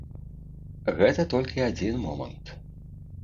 Гэта толькі адзін момант.